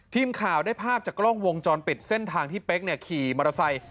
ทีมข่าวได้ภาพจากกล้องวงจรปิดเส้นทางที่เป๊กขี่มอเตอร์ไซค์